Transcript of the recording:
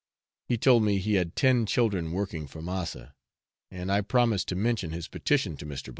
He told me he had ten children 'working for massa,' and I promised to mention his petition to Mr.